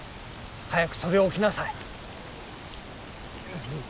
早くそれを置きなさい。